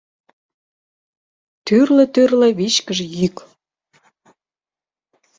Тӱрлӧ-тӱрлӧ вичкыж йӱк